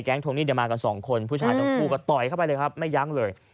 ทวงหนี้มากันสองคนผู้ชายทั้งคู่ก็ต่อยเข้าไปเลยครับไม่ยั้งเลย